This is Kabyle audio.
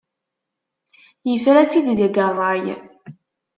Yefra-tt-id deg ṛṛay.